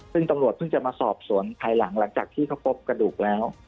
ซึ่งตำรวจเพิ่งจะมาสอบสวนภายหลังจากที่เขาพบกระดูกแล้ว